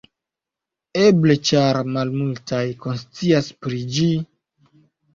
Eble ĉar malmultaj konscias pri ĝi?